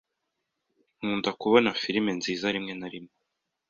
Nkunda kubona firime nziza rimwe na rimwe.